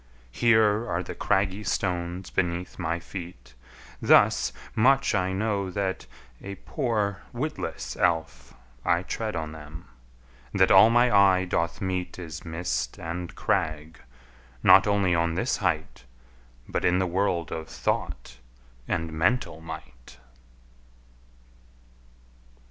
Here are the craggy stones beneath my feet, Thus much I know that, a poor witless elf, I tread on them, that all my eye doth meet Is mist and crag, not only on this height, But in the world of thought and mental might!